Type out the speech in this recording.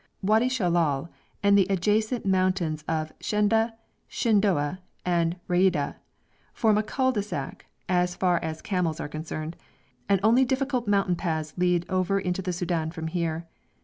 Wadi Shellal and the adjacent mountains of Shendeh, Shindoeh, and Riadh form a cul de sac as far as camels are concerned, and only difficult mountain paths lead over into the Soudan from here.